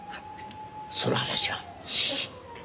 その話はシーッ！